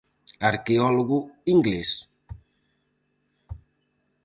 Arqueólogo inglés.